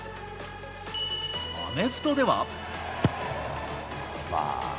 アメフトでは。